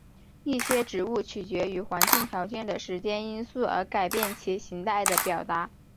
一些植物取决于环境条件的时间因素而改变其形态的表达。